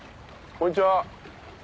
こんにちは。